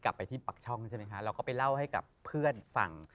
กลับไปที่ปักช่องใช่ไหมคะเราก็ไปเล่าให้กับเพื่อนฟัง